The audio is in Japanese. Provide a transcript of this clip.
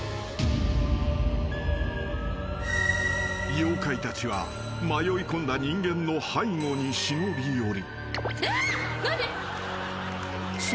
［妖怪たちは迷いこんだ人間の背後に忍び寄り］